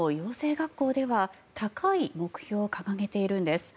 学校では高い目標を掲げているんです。